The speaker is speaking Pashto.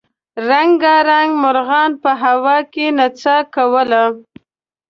رنګارنګ مرغانو په هوا کې نڅا کوله.